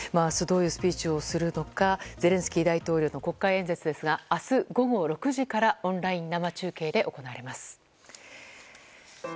明日どういうスピーチをするのかゼレンスキー大統領の国会演説ですが明日午後６時からオンライン生中継で行われます。